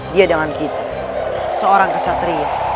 dia dengan kita seorang kesatria